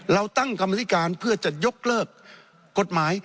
เราตั้งกรรมธิการเพื่อจะยกเลิกกฎหมาย